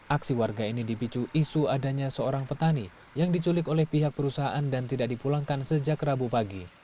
aksi warga ini dipicu isu adanya seorang petani yang diculik oleh pihak perusahaan dan tidak dipulangkan sejak rabu pagi